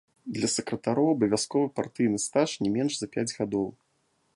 Для сакратароў абавязковы партыйны стаж не менш за пяць гадоў.